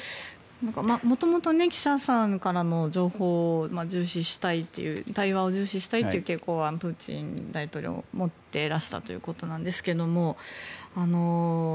もともと記者さんからの情報を重視したいという対話を重視したいという傾向はプーチン大統領、持ってらしたということなんですけれども。